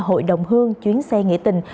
hội đồng hương chuyến xe nghỉ tình